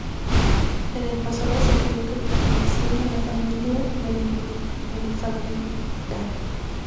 En el pasado se creyó que pertenecían a la familia Meliphagidae.